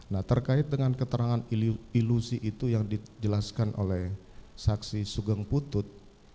nah terkait dengan keterangan ilusi itu yang dijelaskan oleh saksi sugeng putut